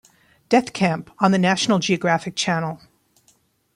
Death Camp on the National Geographic Channel.